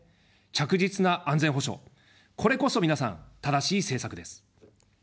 着実な安全保障、これこそ皆さん、正しい政策です。